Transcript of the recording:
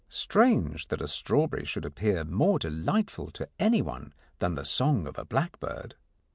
Strange that a strawberry should appear more delightful to anyone than the song of a blackbird!